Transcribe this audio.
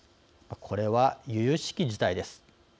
これはゆゆしき事態です。